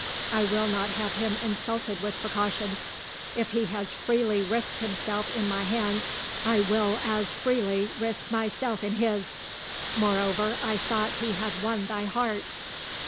I will not have him insulted with precautions. If he has freely risked himself in my hands, I will as freely risk myself in his. Moreover, I thought he had won thy heart."